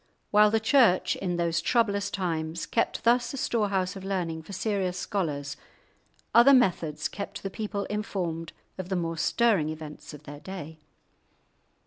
While the Church in those troublous times kept thus a storehouse of learning for serious scholars, other methods kept the people informed of the more stirring events of their day.